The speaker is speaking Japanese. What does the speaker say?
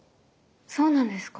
そうなんですか？